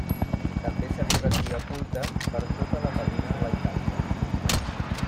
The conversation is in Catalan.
També se li rendia culte per tota la península Itàlica.